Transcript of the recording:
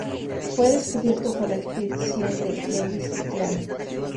Fue descubierto por la expedición de Lewis y Clark.